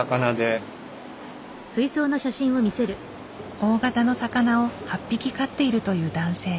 大型の魚を８匹飼っているという男性。